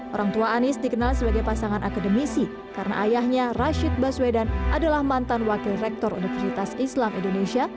orang tua anies dikenal sebagai pasangan akademisi karena ayahnya rashid baswedan adalah mantan wakil rektor universitas islam indonesia